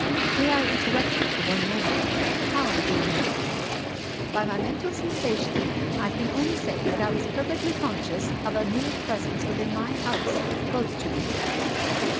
" May I interrupt you for one moment? How did you know it ?"" By my mental sensation. I can only say that I was perfectly conscious of anew presence within my house, close to me."